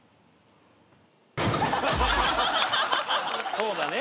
そうだね。